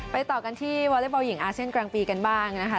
ต่อกันที่วอเล็กบอลหญิงอาเซียนกลางปีกันบ้างนะคะ